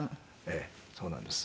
ええそうなんです。